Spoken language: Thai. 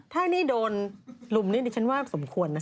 ถ้านี่โดนลุมนี่ดิฉันว่าสมควรนะ